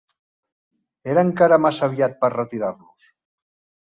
Era encara massa aviat per retirar-los.